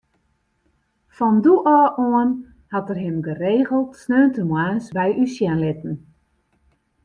Fan doe ôf oan hat er him geregeld sneontemoarns by ús sjen litten.